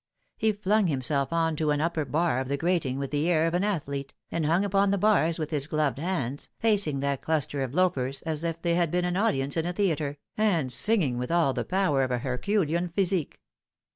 He flung himself on to an upper bar of the grating with the air of an athlete, and hung upon the bars with his gloved hands, facing that cluster of loafers as if they had been an audience in a theatre, and singing with all the power of a herculean physique.